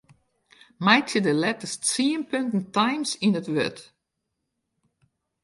Meitsje de letters tsien punten Times yn it wurd.